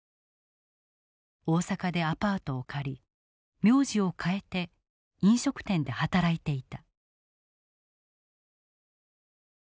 大阪でアパートを借り名字を替えて飲食店で働いていた。